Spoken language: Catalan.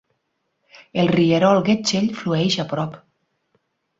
El rierol Getchell flueix a prop.